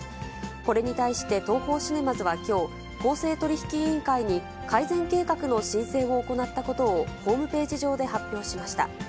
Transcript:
これに対して、ＴＯＨＯシネマズはきょう、公正取引委員会に改善計画の申請を行ったことをホームページ上で発表しました。